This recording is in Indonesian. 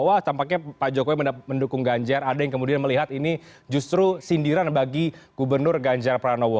wah tampaknya pak jokowi mendukung ganjar ada yang kemudian melihat ini justru sindiran bagi gubernur ganjar pranowo